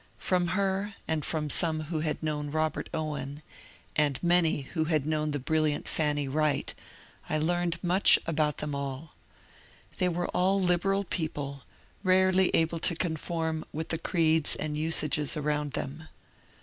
From her, and from some who had known Robert Owen, and many who had known the brilliant Fanny Wright, I learned much about them alL They were all liberal people, rarely able to conform with the creeds HORACE MANN 261 and usages around them.